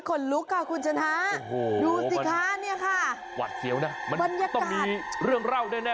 โอ้โฮสองร้อยปีขนาดนี้มีดีอะไรมาบอกหรือเปล่า